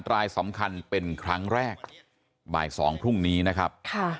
รายสำคัญเป็นครั้งแรกบ่าย๒พรุ่งนี้นะครับ